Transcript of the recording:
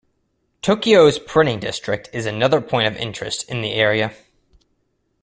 Tokyo's printing district is another point of interest in the area.